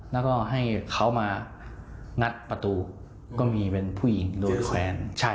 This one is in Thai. แล้วก็ให้เขามางัดประตูก็มีเป็นผู้หญิงโดนแขวน